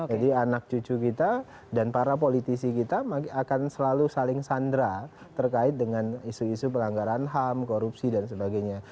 jadi anak cucu kita dan para politisi kita akan selalu saling sandra terkait dengan isu isu pelanggaran ham korupsi dan sebagainya